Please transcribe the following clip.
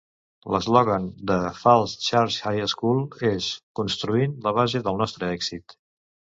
L'eslògan de Falls Church High School és "Construint la base del nostre èxit".